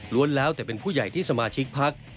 แล้วแต่เป็นผู้ใหญ่ที่สมาชิกพัก